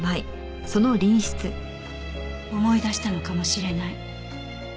思い出したのかもしれない。